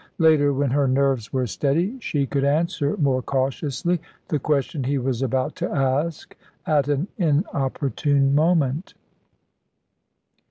Later, when her nerves were steady, she could answer more cautiously the question he was about to ask at an inopportune moment.